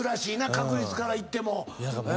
確率からいっても。